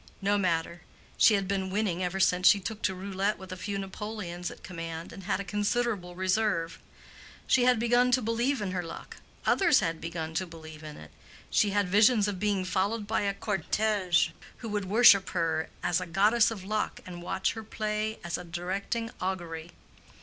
No matter; she had been winning ever since she took to roulette with a few napoleons at command, and had a considerable reserve. She had begun to believe in her luck, others had begun to believe in it: she had visions of being followed by a cortège who would worship her as a goddess of luck and watch her play as a directing augury.